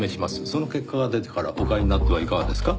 その結果が出てからお買いになってはいかがですか？